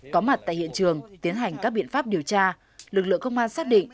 có mặt tại hiện trường tiến hành các biện pháp điều tra lực lượng công an xác định